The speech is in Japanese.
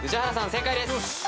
正解です。